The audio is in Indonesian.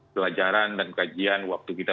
pelajaran dan kajian waktu kita